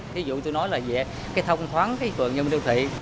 ví dụ tôi nói là về thông thoáng phường dân minh đô thị